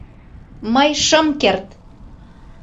— Мый шым керт.